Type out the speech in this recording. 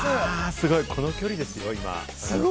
すごい、この距離ですよ、今。